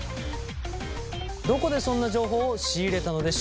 どこでそんな情報を仕入れたのでしょうか？